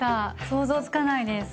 想像つかないです。